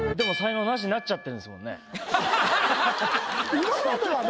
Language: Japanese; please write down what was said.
今まではね。